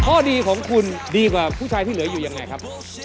ข้อดีของคุณดีกว่าผู้ชายที่เหลืออยู่ยังไงครับ